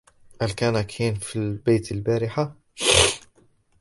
هل كان كين في البيت البارحة؟